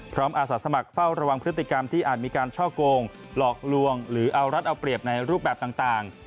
อาสาสมัครเฝ้าระวังพฤติกรรมที่อาจมีการช่อโกงหลอกลวงหรือเอารัฐเอาเปรียบในรูปแบบต่าง